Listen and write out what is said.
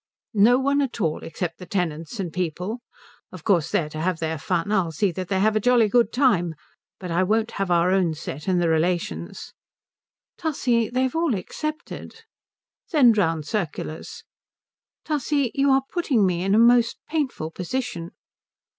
"No one at all, except the tenants and people. Of course they are to have their fun I'll see that they have a jolly good time. But I won't have our own set and the relations." "Tussie, they've all accepted." "Send round circulars." "Tussie, you are putting me in a most painful position."